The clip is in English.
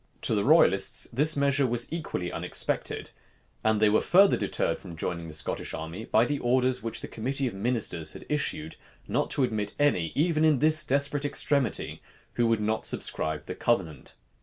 To the royalists, this measure was equally unexpected; and they were further deterred from joining the Scottish army by the orders which the committee of ministers had issued, not to admit any, even in this desperate extremity, who would not subscribe the covenant.